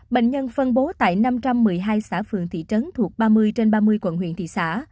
bệnh nhân phân bố tại năm trăm một mươi hai xã phường thị trấn thuộc ba mươi trên ba mươi quận huyện thị xã